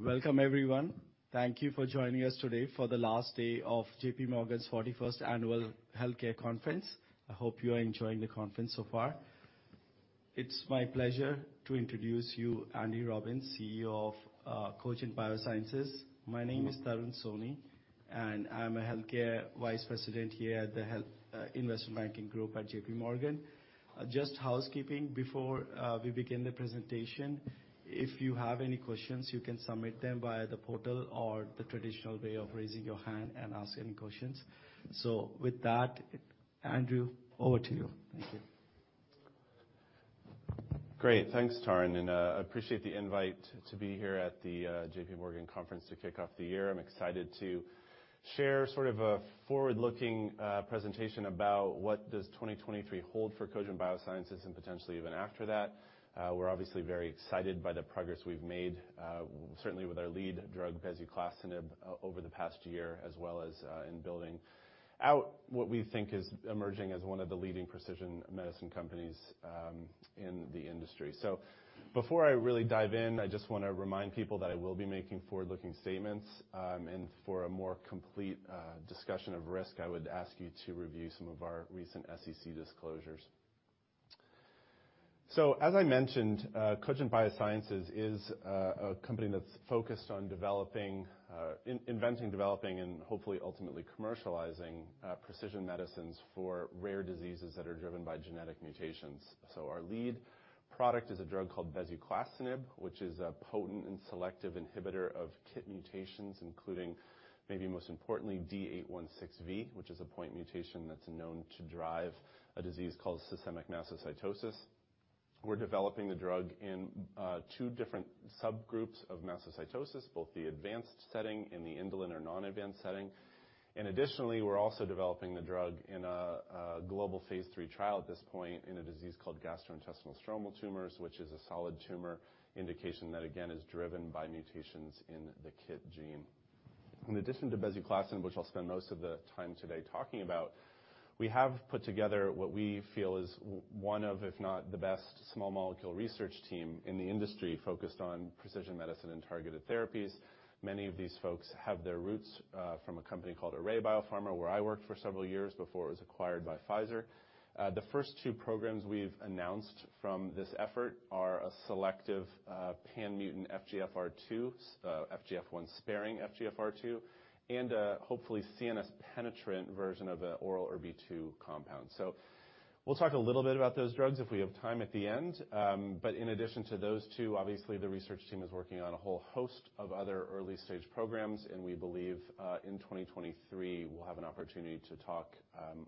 Welcome everyone. Thank you for joining us today for the last day of JPMorgan's 41st annual Healthcare Conference. I hope you are enjoying the conference so far. It's my pleasure to introduce you Andrew Robbins, CEO of Cogent Biosciences. My name is Tarun Soni, and I'm a Healthcare Vice President here at the Investment Banking group at JPMorgan. Just housekeeping before we begin the presentation, if you have any questions, you can submit them via the portal or the traditional way of raising your hand and ask any questions. With that, Andrew, over to you. Thank you. Great. Thanks, Tarun. I appreciate the invite to be here at the J.P. Morgan conference to kick off the year. I'm excited to share sort of a forward-looking presentation about what does 2023 hold for Cogent Biosciences and potentially even after that. We're obviously very excited by the progress we've made, certainly with our lead drug bezuclastinib over the past year, as well as in building out what we think is emerging as one of the leading precision medicine companies in the industry. Before I really dive in, I just wanna remind people that I will be making forward-looking statements. For a more complete discussion of risk, I would ask you to review some of our recent SEC disclosures. As I mentioned, Cogent Biosciences is a company that's focused on inventing, developing and hopefully ultimately commercializing precision medicines for rare diseases that are driven by genetic mutations. Our lead product is a drug called bezuclastinib, which is a potent and selective inhibitor of KIT mutations, including maybe most importantly D816V, which is a point mutation that's known to drive a disease called systemic mastocytosis. We're developing the drug in two different subgroups of mastocytosis, both the advanced setting and the indolent or non-advanced setting. Additionally, we're also developing the drug in a global phase III trial at this point in a disease called gastrointestinal stromal tumors, which is a solid tumor indication that again is driven by mutations in the KIT gene. In addition to bezuclastinib, which I'll spend most of the time today talking about, we have put together what we feel is one of, if not the best small molecule research team in the industry focused on precision medicine and targeted therapies. Many of these folks have their roots from a company called Array BioPharma, where I worked for several years before it was acquired by Pfizer. The first 2 programs we've announced from this effort are a selective, pan-mutant FGFR2, FGF1 sparing FGFR2, and a hopefully CNS penetrant version of an oral ERBB2 compound. We'll talk a little bit about those drugs if we have time at the end. But in addition to those two, obviously the research team is working on a whole host of other early-stage programs, and we believe in 2023 we'll have an opportunity to talk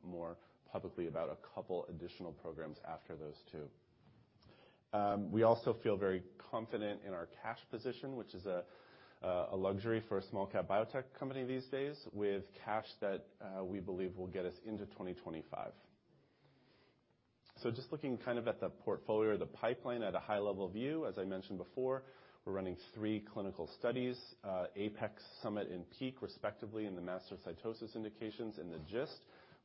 more publicly about a couple additional programs after those two. We also feel very confident in our cash position, which is a luxury for a small cap biotech company these days with cash that we believe will get us into 2025. Just looking kind of at the portfolio or the pipeline at a high level view, as I mentioned before, we're running three clinical studies, APEX, SUMMIT and PEAK respectively in the mastocytosis indications in the GIST.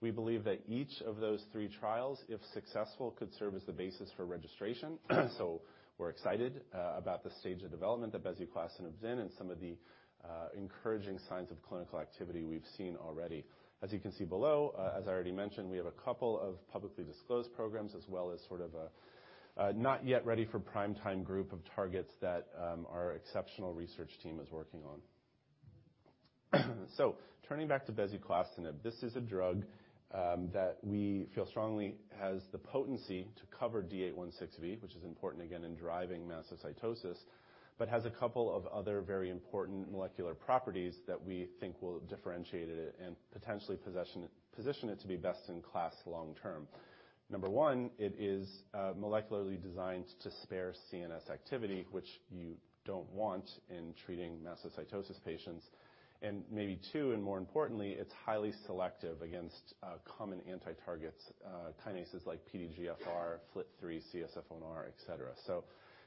We believe that each of those three trials, if successful, could serve as the basis for registration. We're excited about the stage of development that bezuclastinib's in and some of the encouraging signs of clinical activity we've seen already. As you can see below, as I already mentioned, we have a couple of publicly disclosed programs as well as sort of a not yet ready for primetime group of targets that our exceptional research team is working on. Turning back to bezuclastinib. This is a drug that we feel strongly has the potency to cover D816V, which is important again in driving mastocytosis, but has a couple of other very important molecular properties that we think will differentiate it and potentially position it to be best in class long term. Number one, it is molecularly designed to spare CNS activity, which you don't want in treating mastocytosis patients. Maybe two, and more importantly, it's highly selective against common anti-targets, kinases like PDGFR, FLT3, CSF1R, et cetera.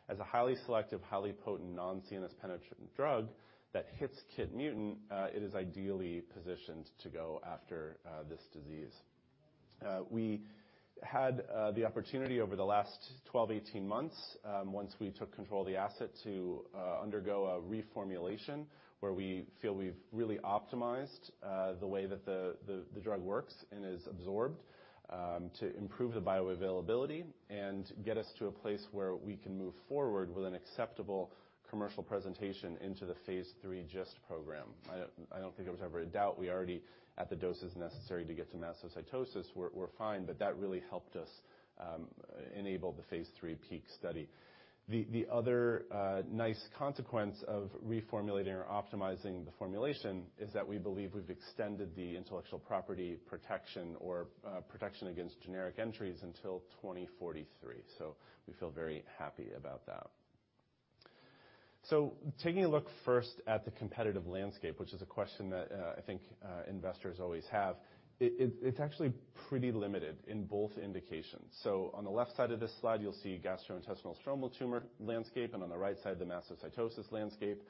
As a highly selective, highly potent non-CNS penetrant drug that hits KIT mutant, it is ideally positioned to go after this disease. We had the opportunity over the last 12, 18 months, once we took control of the asset to undergo a reformulation where we feel we've really optimized the way that the drug works and is absorbed, to improve the bioavailability and get us to a place where we can move forward with an acceptable commercial presentation into the phase III GIST program. I don't think there was ever a doubt we already at the doses necessary to get to mastocytosis were fine, but that really helped us enable the phase III PEAK study. The other nice consequence of reformulating or optimizing the formulation is that we believe we've extended the intellectual property protection or protection against generic entries until 2043. We feel very happy about that. Taking a look first at the competitive landscape, which is a question that I think investors always have. It's actually pretty limited in both indications. On the left side of this slide you'll see gastrointestinal stromal tumor landscape, and on the right side, the mastocytosis landscape.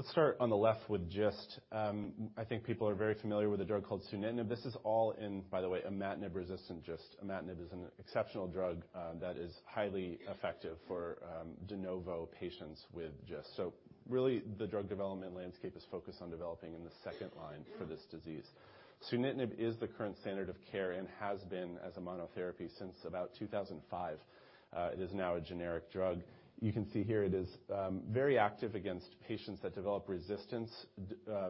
Let's start on the left with GIST. I think people are very familiar with a drug called sunitinib. This is all in, by the way, imatinib-resistant GIST. imatinib is an exceptional drug that is highly effective for de novo patients with GIST. Really the drug development landscape is focused on developing in the second line for this disease. sunitinib is the current standard of care and has been as a monotherapy since about 2005. It is now a generic drug. You can see here it is very active against patients that develop resistance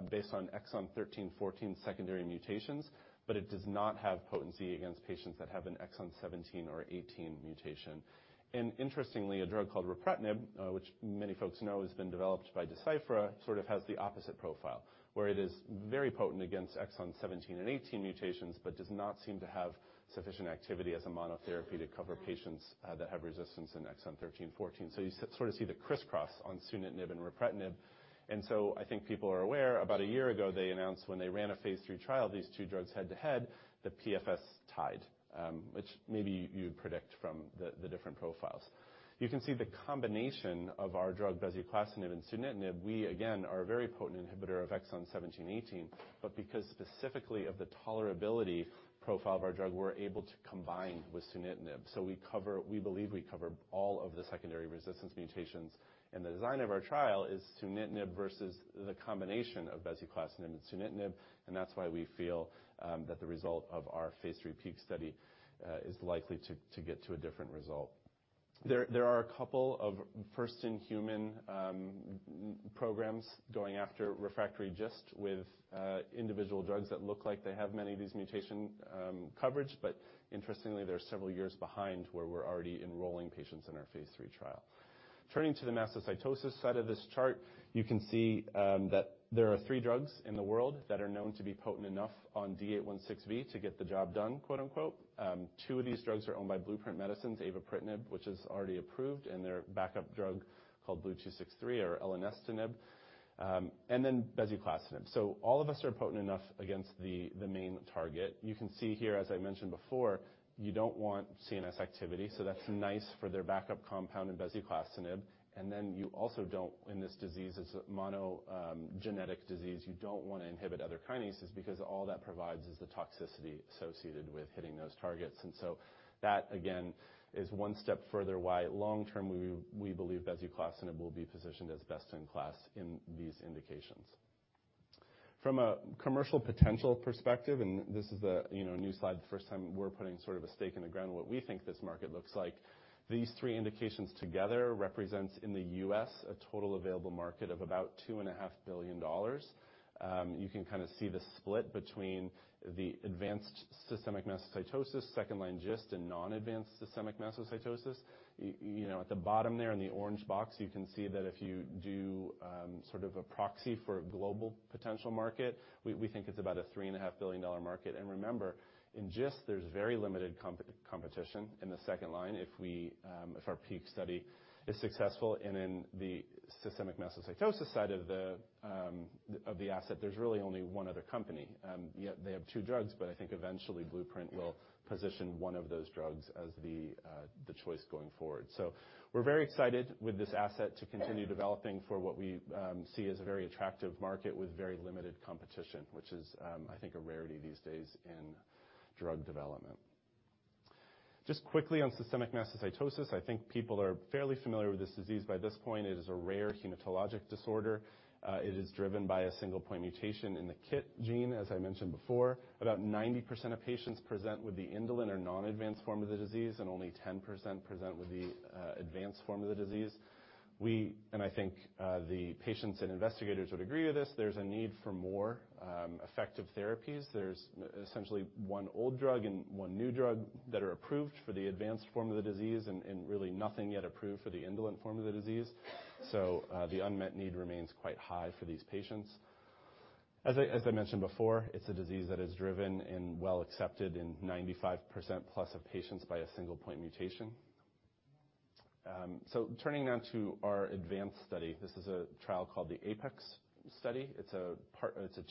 based on exon 13/14 secondary mutations, but it does not have potency against patients that have an exon 17 or 18 mutation. Interestingly, a drug called ripretinib, which many folks know has been developed by Deciphera, sort of has the opposite profile, where it is very potent against exon 17 and 18 mutations but does not seem to have sufficient activity as a monotherapy to cover patients that have resistance in exon 13/14. You sort of see the crisscross on sunitinib and ripretinib. I think people are aware, about a year ago, they announced when they ran a phase III trial, these two drugs head-to-head, the PFS tied, which maybe you'd predict from the different profiles. You can see the combination of our drug bezuclastinib and sunitinib. We again are a very potent inhibitor of exon 17/18, but because specifically of the tolerability profile of our drug, we're able to combine with sunitinib. We believe we cover all of the secondary resistance mutations, and the design of our trial is sunitinib versus the combination of bezuclastinib and sunitinib, and that's why we feel that the result of our phase III PEAK study is likely to get to a different result. There are a couple of first in human programs going after refractory GIST with individual drugs that look like they have many of these mutation coverage, but interestingly, they're several years behind where we're already enrolling patients in our phase III trial. Turning to the mastocytosis side of this chart, you can see that there are three drugs in the world that are known to be potent enough on D816V to get the job done, quote, unquote. Two of these drugs are owned by Blueprint Medicines, avapritinib, which is already approved, and their backup drug called BLU-263 or elenestinib, and then bezuclastinib. All of us are potent enough against the main target. You can see here, as I mentioned before, you don't want CNS activity, so that's nice for their backup compound in bezuclastinib. You also don't, in this disease, it's a monogenic disease, you don't wanna inhibit other kinases because all that provides is the toxicity associated with hitting those targets. That again is one step further why long-term we believe bezuclastinib will be positioned as best in class in these indications. From a commercial potential perspective, this is a, you know, new slide, the first time we're putting sort of a stake in the ground what we think this market looks like. These three indications together represents, in the U.S., a total available market of about $2.5 billion. You can kind of see the split between the advanced systemic mastocytosis, second line GIST, and non-advanced systemic mastocytosis. You know, at the bottom there in the orange box, you can see that if you do, sort of a proxy for global potential market, we think it's about a $3.5 billion market. Remember, in GIST, there's very limited competition in the second line if we, if our PEAK study is successful. In the systemic mastocytosis side of the asset, there's really only 1 other company. Yeah, they have 2 drugs, but I think eventually Blueprint will position 1 of those drugs as the choice going forward. We're very excited with this asset to continue developing for what we, see as a very attractive market with very limited competition, which is, I think a rarity these days in drug development. Quickly on systemic mastocytosis, I think people are fairly familiar with this disease by this point. It is a rare hematologic disorder. It is driven by a single point mutation in the KIT gene, as I mentioned before. About 90% of patients present with the indolent or non-advanced form of the disease, and only 10% present with the advanced form of the disease. We, and I think, the patients and investigators would agree with this, there's a need for more, effective therapies. There's essentially one old drug and one new drug that are approved for the advanced form of the disease and really nothing yet approved for the indolent form of the disease. The unmet need remains quite high for these patients. As I mentioned before, it's a disease that is driven and well accepted in 95% plus of patients by a single point mutation. Turning now to our advanced study. This is a trial called the APEX study. It's a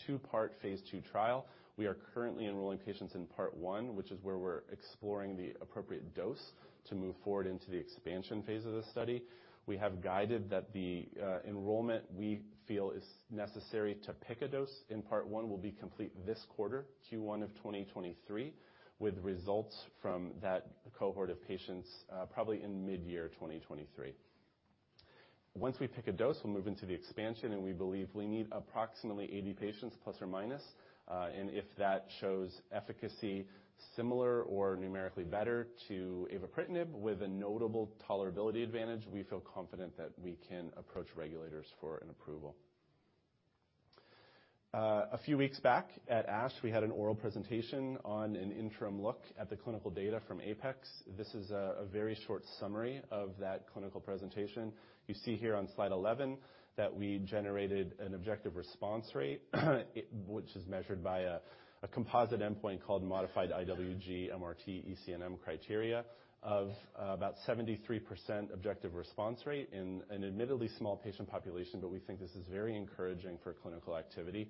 two-part phase II trial. We are currently enrolling patients in part one, which is where we're exploring the appropriate dose to move forward into the expansion phase of the study. We have guided that the enrollment we feel is necessary to pick a dose in part one will be complete this quarter, Q1 of 2023, with results from that cohort of patients, probably in mid-year 2023. Once we pick a dose, we'll move into the expansion, and we believe we need approximately 80 patients, plus or minus. If that shows efficacy similar or numerically better to avapritinib with a notable tolerability advantage, we feel confident that we can approach regulators for an approval. A few weeks back at ASH, we had an oral presentation on an interim look at the clinical data from APEX. This is a very short summary of that clinical presentation. You see here on slide 11 that we generated an objective response rate, which is measured by a composite endpoint called modified IWG-MRT-ECNM criteria of about 73% objective response rate in an admittedly small patient population, but we think this is very encouraging for clinical activity.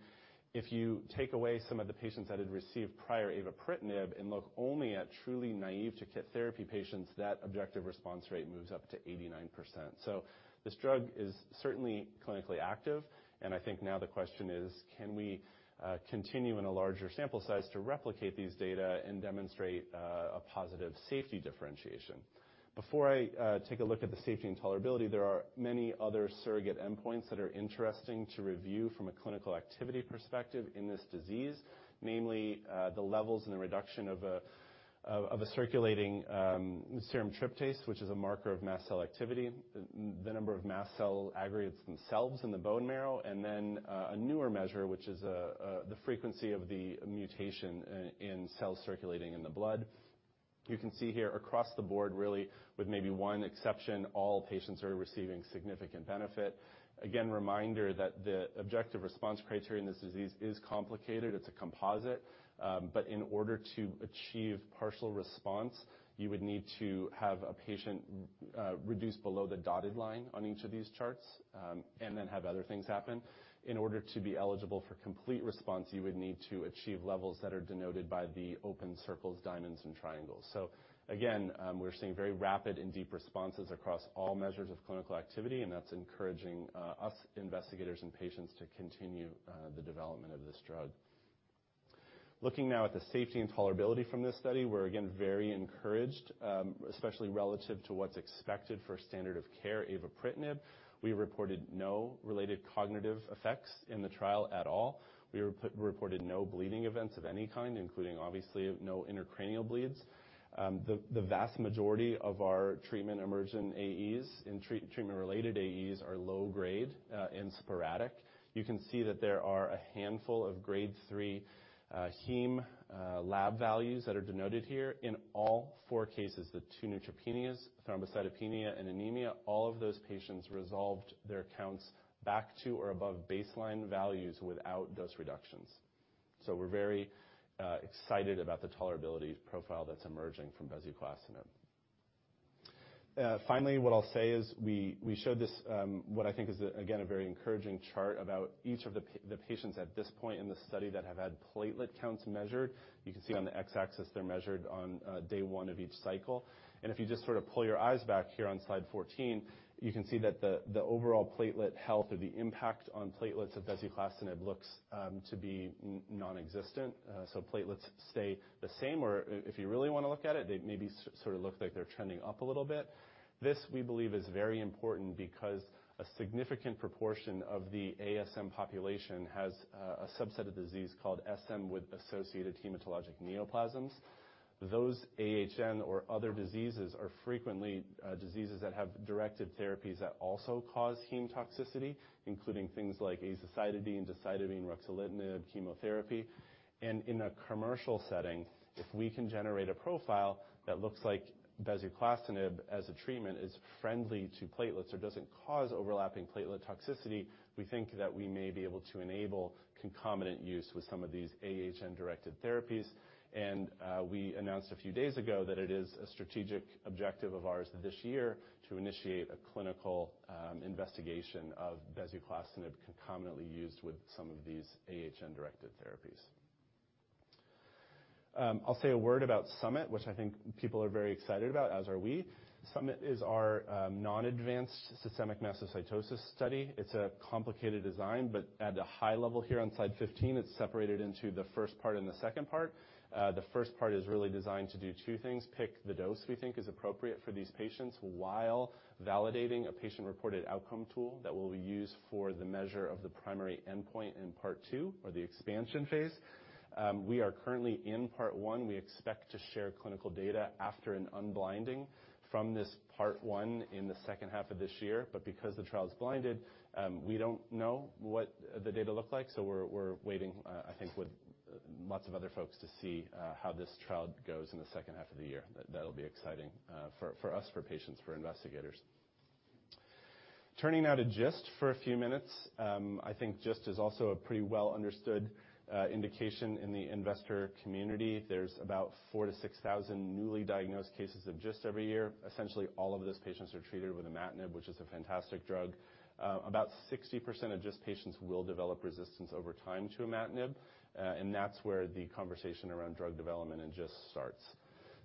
If you take away some of the patients that had received prior avapritinib and look only at truly naive to KIT therapy patients, that objective response rate moves up to 89%. This drug is certainly clinically active, and I think now the question is, can we continue in a larger sample size to replicate these data and demonstrate a positive safety differentiation? Before I take a look at the safety and tolerability, there are many other surrogate endpoints that are interesting to review from a clinical activity perspective in this disease, namely, the levels and the reduction of a circulating serum tryptase, which is a marker of mast cell activity, the number of mast cell aggregates themselves in the bone marrow, and then, a newer measure, which is the frequency of the mutation in cells circulating in the blood. You can see here across the board, really, with maybe one exception, all patients are receiving significant benefit. Again, reminder that the objective response criteria in this disease is complicated. It's a composite. In order to achieve partial response, you would need to have a patient reduce below the dotted line on each of these charts, and then have other things happen. In order to be eligible for complete response, you would need to achieve levels that are denoted by the open circles, diamonds, and triangles. Again, we're seeing very rapid and deep responses across all measures of clinical activity, and that's encouraging us investigators and patients to continue the development of this drug. Looking now at the safety and tolerability from this study, we're again very encouraged, especially relative to what's expected for standard of care avapritinib. We reported no related cognitive effects in the trial at all. We reported no bleeding events of any kind, including obviously no intracranial bleeds. The vast majority of our treatment emergent AEs and treatment-related AEs are low grade and sporadic. You can see that there are a handful of grade three heme lab values that are denoted here. In all four cases, the two neutropenias, thrombocytopenia, and anemia, all of those patients resolved their counts back to or above baseline values without dose reductions. We're very excited about the tolerability profile that's emerging from bezuclastinib. Finally, what I'll say is we showed this, what I think is, again, a very encouraging chart about each of the patients at this point in the study that have had platelet counts measured. You can see on the X-axis, they're measured on day one of each cycle. If you just sort of pull your eyes back here on slide 14, you can see that the overall platelet health or the impact on platelets of bezuclastinib looks to be nonexistent. Platelets stay the same. If you really wanna look at it, they maybe sort of look like they're trending up a little bit. This, we believe, is very important because a significant proportion of the ASM population has a subset of disease called SM-AHN. Those AHN or other diseases are frequently diseases that have directed therapies that also cause heme toxicity, including things like azacitidine, decitidine, ruxolitinib, chemotherapy. In a commercial setting, if we can generate a profile that looks like bezuclastinib as a treatment is friendly to platelets or doesn't cause overlapping platelet toxicity, we think that we may be able to enable concomitant use with some of these AHN-directed therapies. We announced a few days ago that it is a strategic objective of ours this year to initiate a clinical investigation of bezuclastinib concomitantly used with some of these AHN-directed therapies. I'll say a word about SUMMIT, which I think people are very excited about, as are we. SUMMIT is our non-advanced systemic mastocytosis study. It's a complicated design, but at a high level here on slide 15, it's separated into the first part and the second part. The first part is really designed to do two things, pick the dose we think is appropriate for these patients while validating a patient-reported outcome tool that will be used for the measure of the primary endpoint in part two or the expansion phase. We are currently in part one. We expect to share clinical data after an unblinding from this part one in the second half of this year. Because the trial is blinded, we don't know what the data look like. We're waiting, I think with lots of other folks to see how this trial goes in the second half of the year. That'll be exciting, for us, for patients, for investigators. Turning now to GIST for a few minutes. I think GIST is also a pretty well understood indication in the investor community. There's about 4,000-6,000 newly diagnosed cases of GIST every year. Essentially, all of those patients are treated with imatinib, which is a fantastic drug. About 60% of GIST patients will develop resistance over time to imatinib, and that's where the conversation around drug development in GIST starts.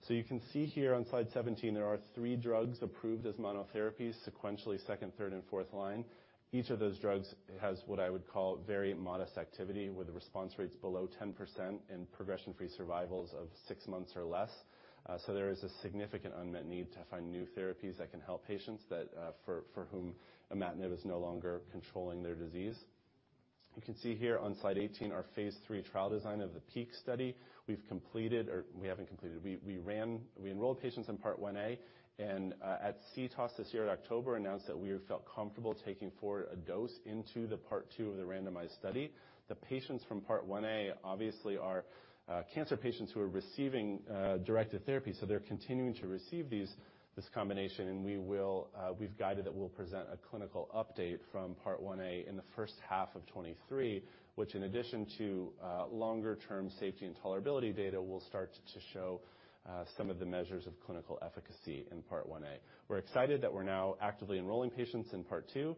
You can see here on slide 17, there are three drugs approved as monotherapies sequentially second, third, and fourth line. Each of those drugs has what I would call very modest activity with the response rates below 10% and progression-free survivals of six months or less. There is a significant unmet need to find new therapies that can help patients that, for whom imatinib is no longer controlling their disease. You can see here on slide 18 our phase III trial design of the PEAK study. We've completed or we haven't completed. We enrolled patients in part one-A, and at CTOS this year in October, announced that we felt comfortable taking forward a dose into the part two of the randomized study. The patients from part one-A obviously are cancer patients who are receiving directed therapy, so they're continuing to receive these, this combination, and we will, we've guided that we'll present a clinical update from part one-A in the first half of 2023, which in addition to longer-term safety and tolerability data, will start to show some of the measures of clinical efficacy in part one-A. We're excited that we're now actively enrolling patients in part two.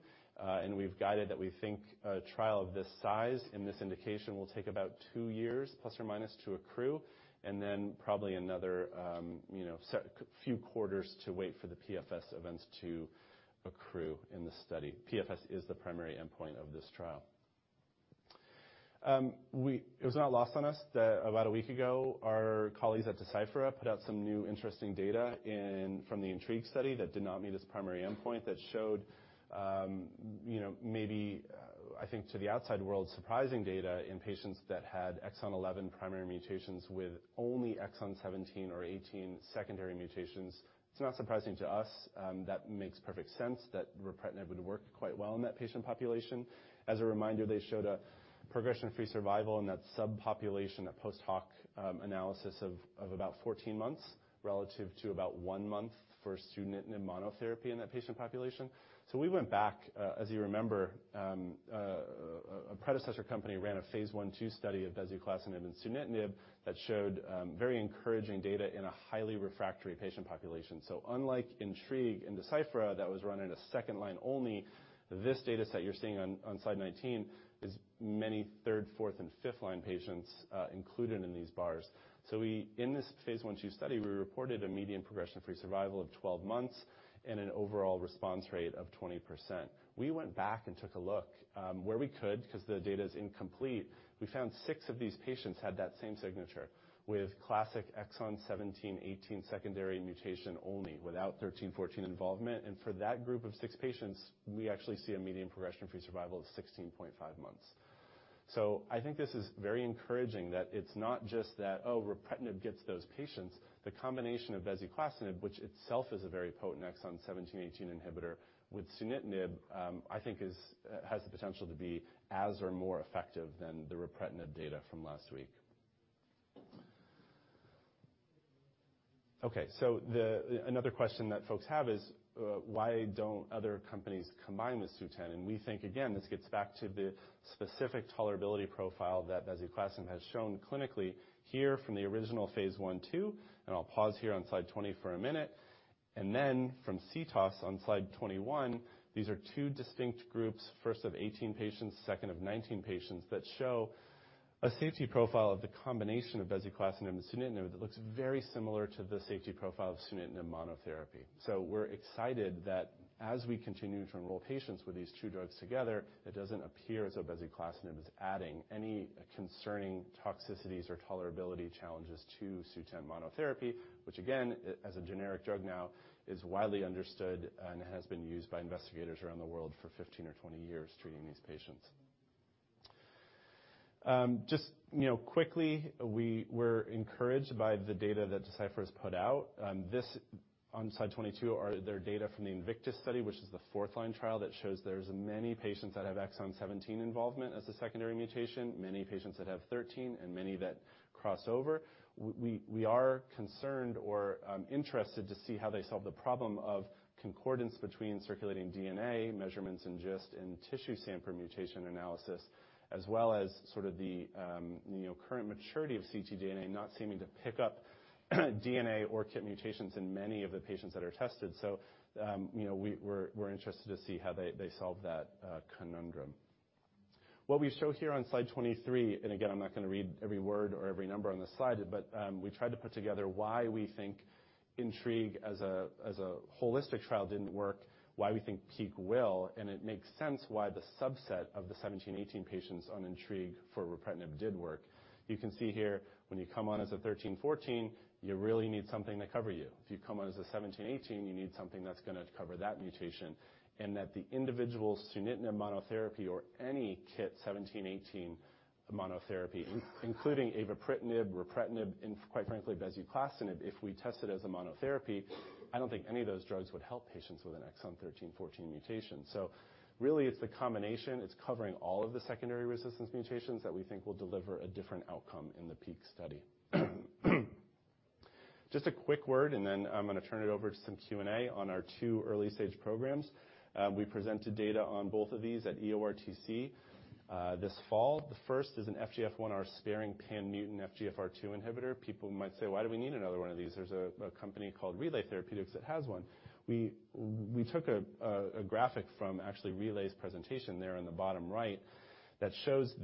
We've guided that we think a trial of this size and this indication will take about two years plus or minus to accrue and then probably another, you know, few quarters to wait for the PFS events to accrue in the study. PFS is the primary endpoint of this trial. It was not lost on us that about one week ago, our colleagues at Deciphera put out some new interesting data from the INTRIGUE study that did not meet its primary endpoint that showed, you know, maybe, I think to the outside world, surprising data in patients that had exon 11 primary mutations with only exon 17 or 18 secondary mutations. It's not surprising to us that makes perfect sense that ripretinib would work quite well in that patient population. As a reminder, they showed a progression-free survival in that subpopulation, a post-hoc analysis of about 14 months relative to about one month for sunitinib monotherapy in that patient population. We went back, as you remember, a predecessor company ran a phase I-II study of bezuclastinib and sunitinib that showed very encouraging data in a highly refractory patient population. Unlike INTRIGUE and Deciphera, that was run in a second line only, this data set you're seeing on slide 19 is many third, fourth, and fifth line patients included in these bars. In this phase I-II study, we reported a median progression-free survival of 12 months and an overall response rate of 20%. We went back and took a look where we could because the data is incomplete. We found six of these patients had that same signature with classic exon 17, 18 secondary mutation only without 13, 14 involvement. For that group of six patients, we actually see a median progression-free survival of 16.5 months. I think this is very encouraging that it's not just that, oh, ripretinib gets those patients. The combination of bezuclastinib, which itself is a very potent Exon 17, 18 inhibitor with sunitinib, I think is has the potential to be as or more effective than the ripretinib data from last week. Okay. Another question that folks have is, why don't other companies combine with Sutent? We think, again, this gets back to the specific tolerability profile that bezuclastinib has shown clinically here from the original phase I-II, and I'll pause here on slide 20 for a minute. Then from CTOS on slide 21, these are two distinct groups, first of 18 patients, second of 19 patients, that show a safety profile of the combination of bezuclastinib and sunitinib that looks very similar to the safety profile of sunitinib monotherapy. We're excited that as we continue to enroll patients with these two drugs together, it doesn't appear as though bezuclastinib is adding any concerning toxicities or tolerability challenges to Sutent monotherapy, which again, as a generic drug now is widely understood and has been used by investigators around the world for 15 or 20 years treating these patients. just, you know, quickly, we were encouraged by the data that Deciphera has put out. This on slide 22 are their data from the INVICTUS study, which is the fourth line trial that shows there's many patients that have Exon 17 involvement as a secondary mutation, many patients that have 13, and many that cross over. We are concerned or interested to see how they solve the problem of concordance between circulating DNA measurements in GIST and tissue sample mutation analysis, as well as sort of the, you know, current maturity of ctDNA not seeming to pick up DNA or KIT mutations in many of the patients that are tested. You know, we're interested to see how they solve that conundrum. What we show here on slide 23, again, I'm not gonna read every word or every number on this slide, we tried to put together why we think INTRIGUE as a holistic trial didn't work, why we think PEAK will, and it makes sense why the subset of the 17, 18 patients on INTRIGUE for ripretinib did work. You can see here when you come on as a 13, 14, you really need something to cover you. If you come on as a 17, 18, you need something that's gonna cover that mutation. That the individual sunitinib monotherapy or any KIT 17, 18 monotherapy, including avapritinib, ripretinib, and quite frankly, bezuclastinib, if we test it as a monotherapy, I don't think any of those drugs would help patients with an exon 13, 14 mutation. Really, it's the combination. It's covering all of the secondary resistance mutations that we think will deliver a different outcome in the PEAK study. Then I'm gonna turn it over to some Q&A on our two early-stage programs. We presented data on both of these at EORTC this fall. The first is an FGFR1-sparing pan-mutant FGFR2 inhibitor. People might say, "Why do we need another one of these? There's a company called Relay Therapeutics that has one." We took a graphic from actually Relay's presentation there in the bottom right that shows,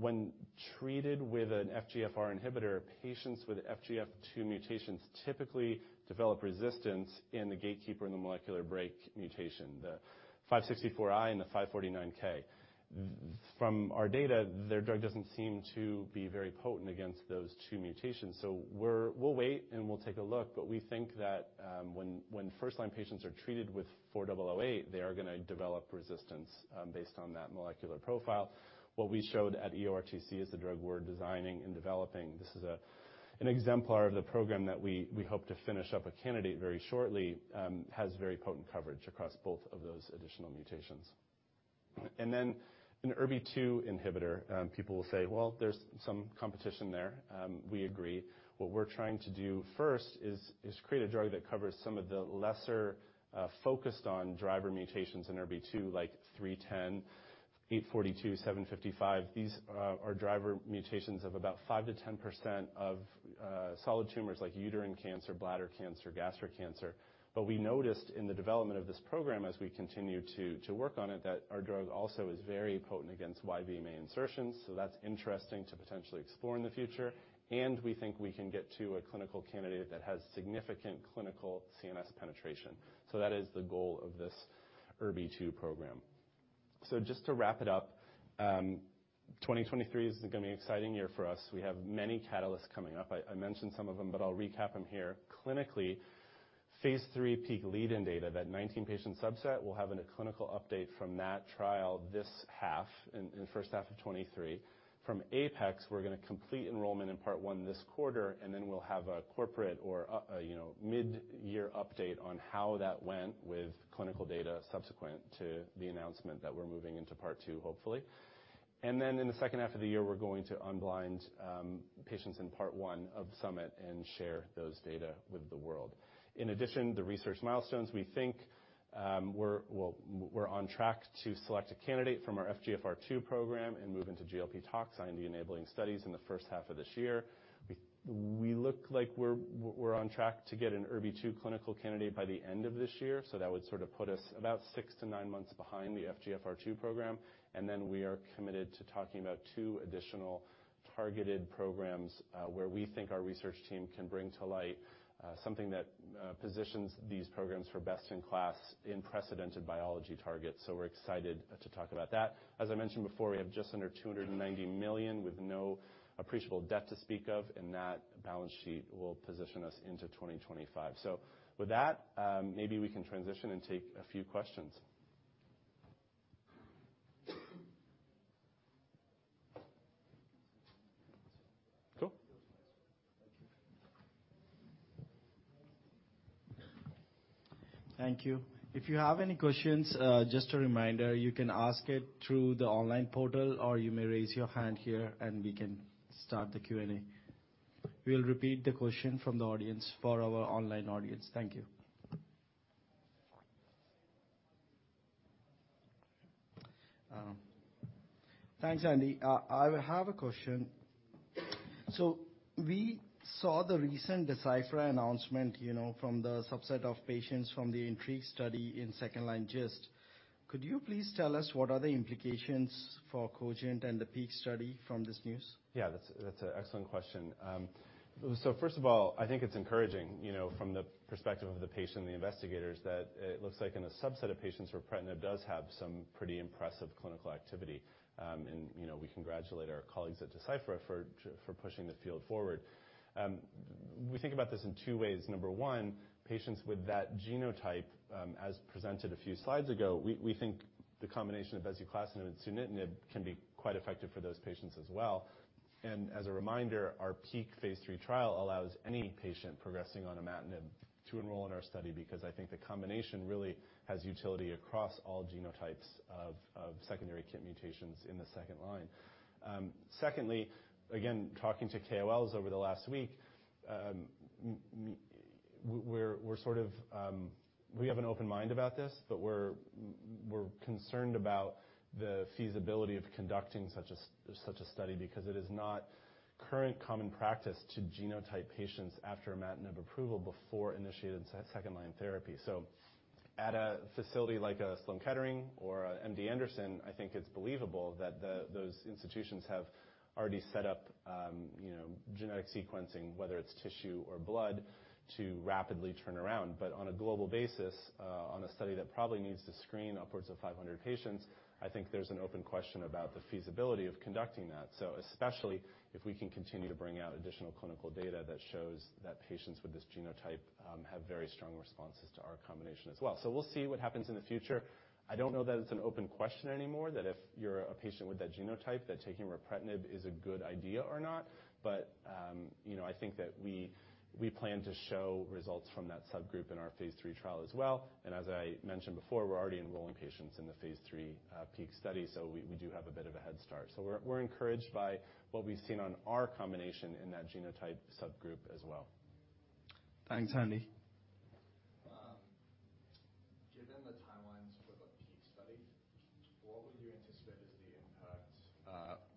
when treated with an FGFR inhibitor, patients with FGFR2 mutations typically develop resistance in the gatekeeper and the molecular brake mutation, the 564 I and the 549 K. From our data, their drug doesn't seem to be very potent against those two mutations. We'll wait, and we'll take a look, but we think that, when first-line patients are treated with four double o eight, they are gonna develop resistance, based on that molecular profile. What we showed at EORTC is the drug we're designing and developing. This is an exemplar of the program that we hope to finish up a candidate very shortly, has very potent coverage across both of those additional mutations. An ERBB2 inhibitor, people will say, "Well, there's some competition there." We agree. What we're trying to do first is create a drug that covers some of the lesser, focused on driver mutations in ERBB2, like 310, 842, 755. These are driver mutations of about 5%-10% of solid tumors like uterine cancer, bladder cancer, gastric cancer. We noticed in the development of this program as we continue to work on it, that our drug also is very potent against YVMA insertions. That's interesting to potentially explore in the future. We think we can get to a clinical candidate that has significant clinical CNS penetration. That is the goal of this ERBB2 program. Just to wrap it up, 2023 is gonna be an exciting year for us. We have many catalysts coming up. I mentioned some of them, but I'll recap them here. Clinically, phase III PEAK lead-in data, that 19-patient subset, we'll have a clinical update from that trial this half, in the first half of 2023. From APEX, we're gonna complete enrollment in part one this quarter, then we'll have a corporate or a, you know, mid-year update on how that went with clinical data subsequent to the announcement that we're moving into part two, hopefully. In the second half of the year, we're going to unblind patients in part one of SUMMIT and share those data with the world. In addition, the research milestones we think we're on track to select a candidate from our FGFR2 program and move into GLP tox and the enabling studies in the first half of this year. We look like we're on track to get an ERBB2 clinical candidate by the end of this year, so that would sort of put us about six to nine months behind the FGFR2 program. We are committed to talking about two additional targeted programs, where we think our research team can bring to light something that positions these programs for best-in-class unprecedented biology targets. We're excited to talk about that. As I mentioned before, we have just under $290 million with no appreciable debt to speak of, and that balance sheet will position us into 2025. With that, maybe we can transition and take a few questions. Cool. Thank you. If you have any questions, just a reminder, you can ask it through the online portal or you may raise your hand here and we can start the Q&A. We'll repeat the question from the audience for our online audience. Thank you. Thanks, Andy. I have a question. We saw the recent Deciphera announcement, you know, from the subset of patients from the INTRIGUE study in second-line GIST. Could you please tell us what are the implications for Cogent and the PEAK study from this news? Yeah, that's an excellent question. First of all, I think it's encouraging, you know, from the perspective of the patient and the investigators that it looks like in a subset of patients ripretinib does have some pretty impressive clinical activity. You know, we congratulate our colleagues at Deciphera for pushing the field forward. We think about this in two ways. Number one, patients with that genotype, as presented a few slides ago, we think the combination of bezuclastinib and sunitinib can be quite effective for those patients as well. As a reminder, our PEAK phase III trial allows any patient progressing on a imatinib to enroll in our study because I think the combination really has utility across all genotypes of secondary KIT mutations in the second line. Secondly, again, talking to KOLs over the last week, we're sort of, we have an open mind about this, but we're concerned about the feasibility of conducting such a study because it is not current common practice to genotype patients after imatinib approval before initiating second line therapy. At a facility like a Sloan Kettering or a MD Anderson, I think it's believable that those institutions have already set up, you know, genetic sequencing, whether it's tissue or blood, to rapidly turn around. On a global basis, on a study that probably needs to screen upwards of 500 patients, I think there's an open question about the feasibility of conducting that. Especially if we can continue to bring out additional clinical data that shows that patients with this genotype have very strong responses to our combination as well. We'll see what happens in the future. I don't know that it's an open question anymore, that if you're a patient with that genotype, that taking ripretinib is a good idea or not. You know, I think that we plan to show results from that subgroup in our phase III trial as well. As I mentioned before, we're already enrolling patients in the phase III PEAK study, so we do have a bit of a head start. We're, we're encouraged by what we've seen on our combination in that genotype subgroup as well. Thanks, Andy.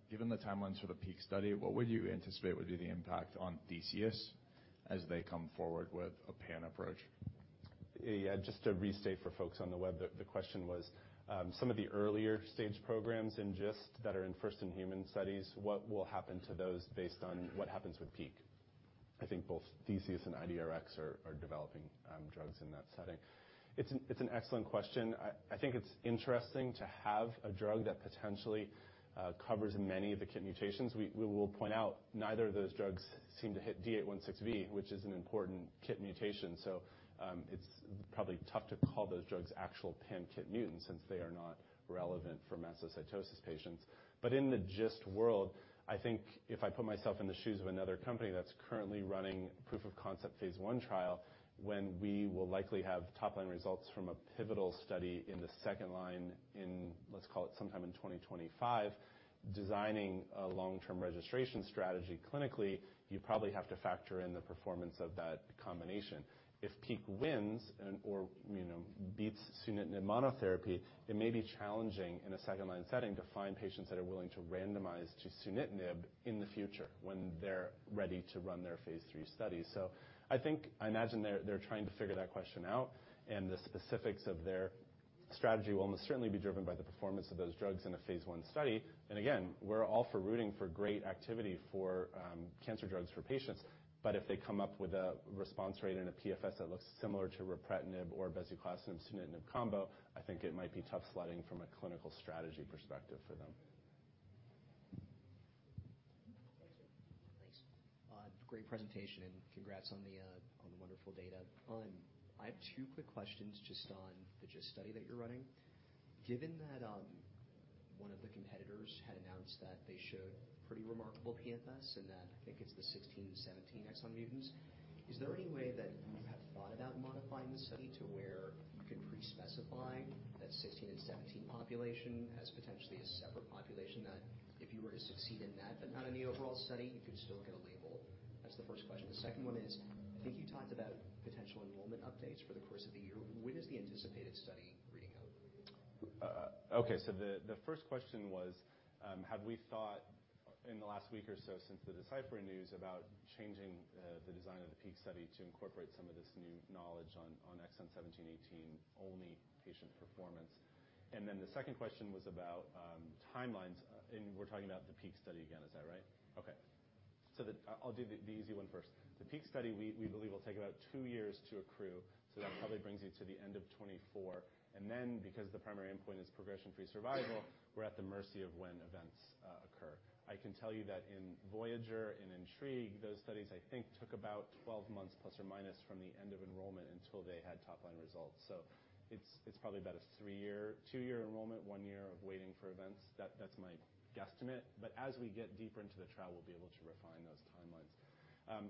Given the timelines for the PEAK study, what would you anticipate would be the impact on Theseus as they come forward with a PAN approach? Yeah, just to restate for folks on the web, the question was, some of the earlier stage programs in GIST that are in first in human studies, what will happen to those based on what happens with PEAK? I think both Theseus and IDRx are developing drugs in that setting. It's an excellent question. I think it's interesting to have a drug that potentially covers many of the KIT mutations. We will point out neither of those drugs seem to hit D816V, which is an important KIT mutation. It's probably tough to call those drugs actual pan-KIT mutants since they are not relevant for mastocytosis patients. In the GIST world, I think if I put myself in the shoes of another company that's currently running proof of concept phase I trial, when we will likely have top-line results from a pivotal study in the second line in, let's call it sometime in 2025, designing a long-term registration strategy clinically, you probably have to factor in the performance of that combination. If PEAK wins and/or, you know, beats sunitinib monotherapy, it may be challenging in a second-line setting to find patients that are willing to randomize to sunitinib in the future when they're ready to run their phase III study. I imagine they're trying to figure that question out, and the specifics of their strategy will most certainly be driven by the performance of those drugs in a phase I study. Again, we're all for rooting for great activity for cancer drugs for patients. If they come up with a response rate and a PFS that looks similar to ripretinib or bezuclastinib-sunitinib combo, I think it might be tough sledding from a clinical strategy perspective for them. Thank you. Thanks. Great presentation and congrats on the wonderful data. I have two quick questions just on the GIST study that you're running. Given that, one of the competitors had announced that they showed pretty remarkable PFS and that I think it's the 16 and 17 exon mutants, is there any way that you have thought about modifying the study to where you can pre-specify that 16 and 17 population as potentially a separate population that if you were to succeed in that but not in the overall study, you could still get a label? That's the first question. The second one is, I think you talked about potential enrollment updates for the course of the year. When is the anticipated study readout? Okay. The first question was, have we thought in the last week or so since the Deciphera news about changing the design of the PEAK study to incorporate some of this new knowledge on exon 17/18 only patient performance? The second question was about timelines. We're talking about the PEAK study again. Is that right? Okay. I'll do the easy one first. The PEAK study, we believe will take about two years to accrue, that probably brings you to the end of 2024. Because the primary endpoint is progression-free survival, we're at the mercy of when events occur. I can tell you that in VOYAGER and INTRIGUE, those studies, I think, took about 12 months ± from the end of enrollment until they had top-line results. It's probably about a three-year, two-year enrollment, one year of waiting for events. That's my guesstimate. As we get deeper into the trial, we'll be able to refine those timelines.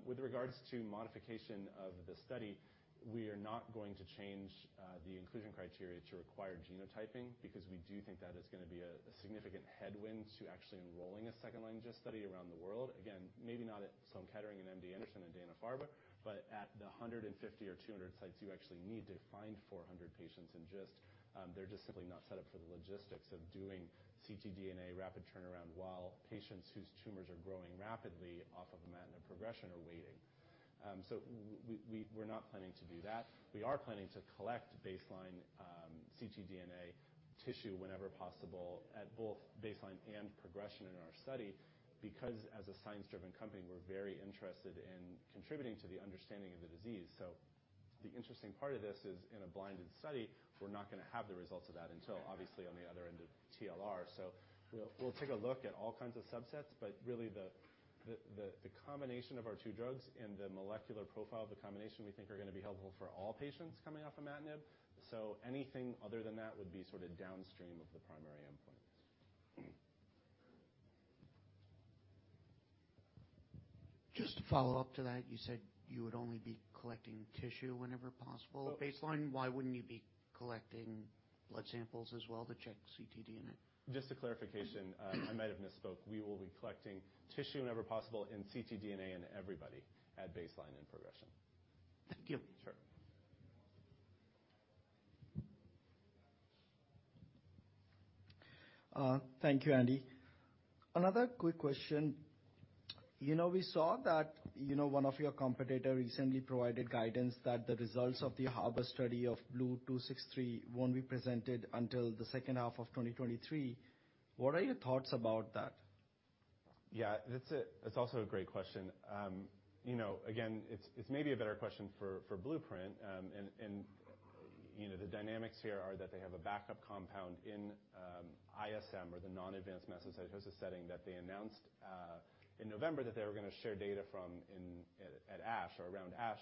With regards to modification of the study, we are not going to change the inclusion criteria to require genotyping because we do think that is gonna be a significant headwind to actually enrolling a second-line GIST study around the world. Again, maybe not at Sloan Kettering and MD Anderson and Dana-Farber, but at the 150 or 200 sites, you actually need to find 400 patients in GIST. They're just simply not set up for the logistics of doing ctDNA rapid turnaround while patients whose tumors are growing rapidly off of imatinib progression are waiting. We're not planning to do that. We are planning to collect baseline ctDNA tissue whenever possible at both baseline and progression in our study because as a science-driven company, we're very interested in contributing to the understanding of the disease. The interesting part of this is, in a blinded study, we're not gonna have the results of that until obviously on the other end of TLR. We'll take a look at all kinds of subsets, but really the combination of our two drugs and the molecular profile of the combination, we think are gonna be helpful for all patients coming off imatinib. Anything other than that would be sort of downstream of the primary endpoint. Just to follow up to that, you said you would only be collecting tissue whenever possible. Baseline, why wouldn't you be collecting blood samples as well to check ctDNA? Just a clarification. I might have misspoke. We will be collecting tissue whenever possible in ctDNA in everybody at baseline and progression. Thank you. Sure. Thank you, Andy. Another quick question. You know, we saw that, you know, one of your competitor recently provided guidance that the results of the HARBOR study of BLU-263 won't be presented until the second half of 2023. What are your thoughts about that? Yeah. That's also a great question. You know, again, it's maybe a better question for Blueprint. You know, the dynamics here are that they have a backup compound in ISM or the non-advanced mastocytosis setting that they announced in November that they were gonna share data from at ASH or around ASH.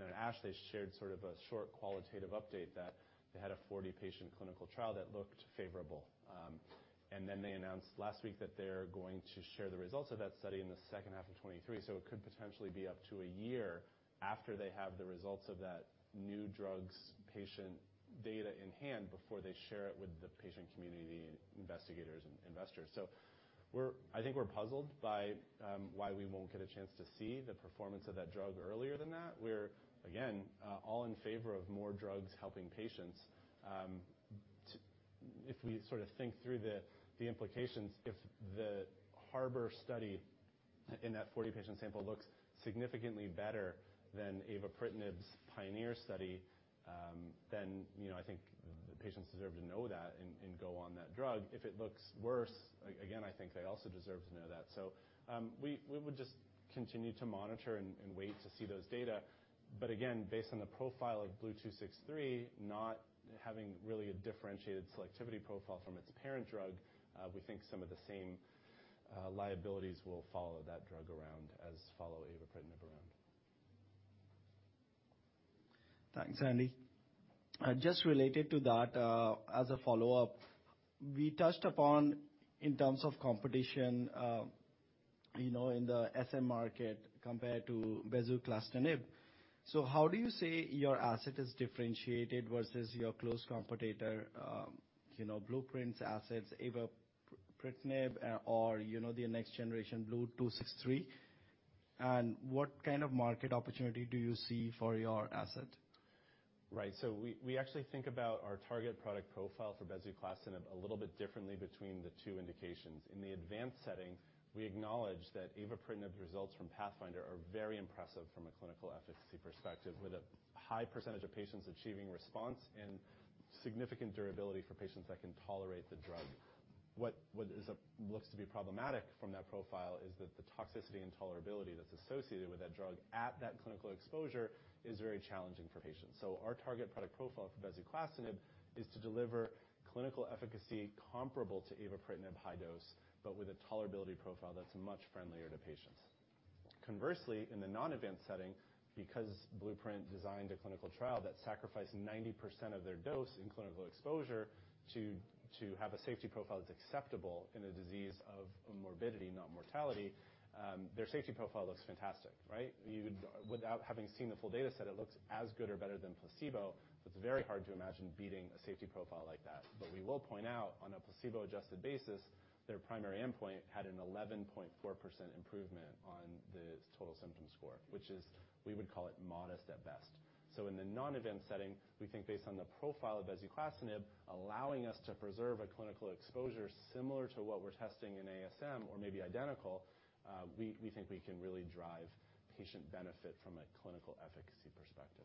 At ASH, they shared sort of a short qualitative update that they had a 40-patient clinical trial that looked favorable. They announced last week that they're going to share the results of that study in the second half of 2023. It could potentially be up to a year after they have the results of that new drug's patient data in hand before they share it with the patient community investigators and investors. I think we're puzzled by why we won't get a chance to see the performance of that drug earlier than that. We're, again, all in favor of more drugs helping patients. If we sort of think through the implications, if the HARBOR study in that 40-patient sample looks significantly better than avapritinib's PIONEER study, you know, I think the patients deserve to know that and go on that drug. If it looks worse, again, I think they also deserve to know that. We would just continue to monitor and wait to see those data. Again, based on the profile of BLU-263 not having really a differentiated selectivity profile from its parent drug, we think some of the same liabilities will follow that drug around as follow avapritinib around. Thanks, Andy. Just related to that, as a follow-up, we touched upon in terms of competition, you know, in the SM market compared to bezuclastinib. How do you say your asset is differentiated versus your close competitor, you know, Blueprint's assets, avapritinib, or, you know, the next generation, BLU-263? What kind of market opportunity do you see for your asset? Right. We actually think about our target product profile for bezuclastinib a little bit differently between the two indications. In the advanced setting, we acknowledge that avapritinib results from Pathfinder are very impressive from a clinical efficacy perspective, with a high percentage of patients achieving response and significant durability for patients that can tolerate the drug. What looks to be problematic from that profile is that the toxicity and tolerability that's associated with that drug at that clinical exposure is very challenging for patients. Our target product profile for bezuclastinib is to deliver clinical efficacy comparable to avapritinib high dose, but with a tolerability profile that's much friendlier to patients. In the non-advanced setting, because Blueprint designed a clinical trial that sacrificed 90% of their dose in clinical exposure to have a safety profile that's acceptable in a disease of morbidity, not mortality, their safety profile looks fantastic, right? Without having seen the full data set, it looks as good or better than placebo, it's very hard to imagine beating a safety profile like that. We will point out on a placebo-adjusted basis, their primary endpoint had an 11.4% improvement on the total symptom score, which is, we would call it modest at best. In the non-advanced setting, we think based on the profile of bezuclastinib, allowing us to preserve a clinical exposure similar to what we're testing in ASM or maybe identical, we think we can really drive patient benefit from a clinical efficacy perspective.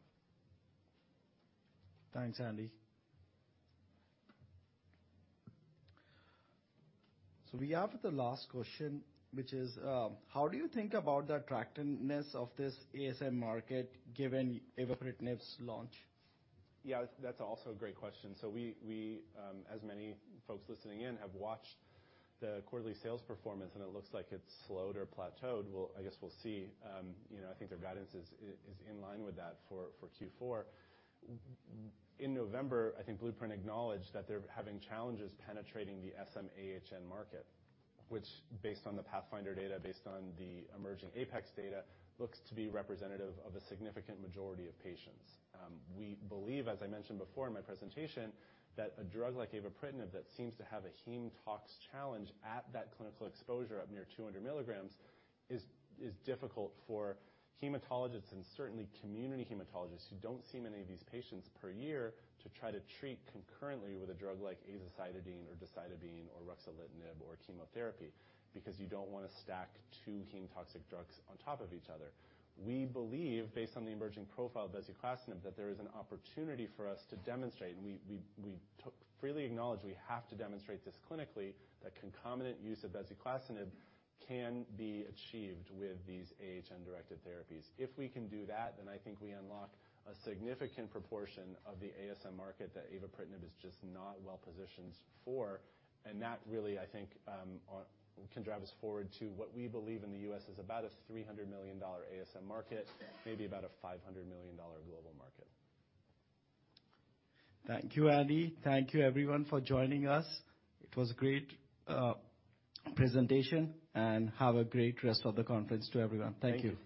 Thanks, Andy. We have the last question, which is, how do you think about the attractiveness of this ASM market given avapritinib's launch? Yeah, that's also a great question. We, as many folks listening in, have watched the quarterly sales performance, and it looks like it's slowed or plateaued. I guess we'll see, you know, I think their guidance is in line with that for Q4. In November, I think Blueprint acknowledged that they're having challenges penetrating the SM-AHN market, which based on the PATHFINDER data, based on the emerging APEX data, looks to be representative of a significant majority of patients. We believe, as I mentioned before in my presentation, that a drug like avapritinib that seems to have a heme tox challenge at that clinical exposure of near 200 milligrams is difficult for hematologists and certainly community hematologists who don't see many of these patients per year to try to treat concurrently with a drug like azacitidine or decitidine or ruxolitinib or chemotherapy, because you don't wanna stack two heme-toxic drugs on top of each other. We believe, based on the emerging profile of bezuclastinib, that there is an opportunity for us to demonstrate, and we freely acknowledge we have to demonstrate this clinically, that concomitant use of bezuclastinib can be achieved with these AHN-directed therapies. If we can do that, then I think we unlock a significant proportion of the ASM market that avapritinib is just not well-positioned for. That really, I think, can drive us forward to what we believe in the U.S. is about a $300 million ASM market, maybe about a $500 million global market. Thank you, Andy. Thank you everyone for joining us. It was a great presentation, and have a great rest of the conference to everyone. Thank you.